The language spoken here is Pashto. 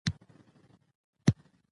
هغه موږکان د انسان د کولمو بکتریاوې لري.